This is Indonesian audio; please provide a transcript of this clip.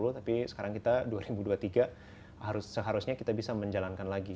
tapi sekarang kita dua ribu dua puluh tiga seharusnya kita bisa menjalankan lagi